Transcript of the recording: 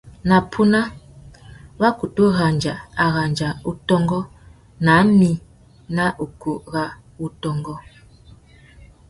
Na puna, wa kutu rendza aranda-utôngô ná mí nà ukú râ wutôngô.